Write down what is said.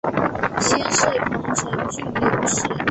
先世彭城郡刘氏。